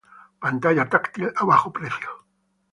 Pantalla táctil a bajo precio.